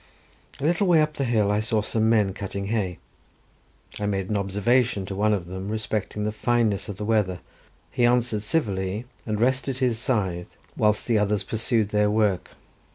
A little way up the hill I saw some men cutting hay. I made an observation to one of them respecting the fineness of the weather; he answered civilly, and rested on his scythe, whilst the others pursued their work.